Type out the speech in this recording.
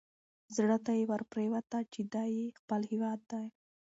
زړه ته یې ورپرېوته چې دا یې خپل هیواد دی.